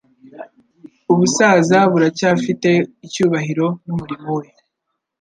Ubusaza buracyafite icyubahiro n'umurimo we.